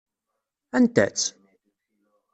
Anta-tt?